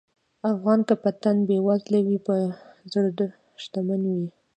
افغان که په تن بېوزله وي، په زړه شتمن وي.